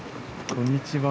こんにちは。